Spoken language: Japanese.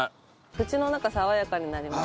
口の中爽やかになります。